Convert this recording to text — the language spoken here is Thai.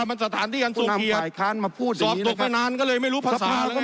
มันสถานที่กันสูงเกียรติสอบตกไม่นานก็เลยไม่รู้ภาษาแล้วไงครับ